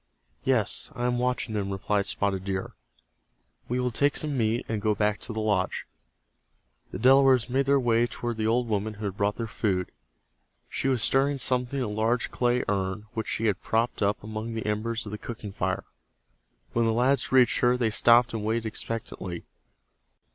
"Yes, I am watching them," replied Spotted Deer. "We will take some meat, and go back to the lodge." The Delawares made their way toward the old woman who had brought their food. She was stirring something in a large clay urn which she had propped up among the embers of the cooking fire. When the lads reached her they stopped and waited expectantly.